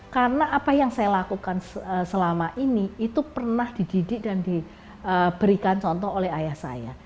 karena apa yang saya lakukan selama ini itu pernah dididik dan diberikan contoh oleh ayah saya